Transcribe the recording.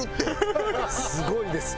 すごいですよ。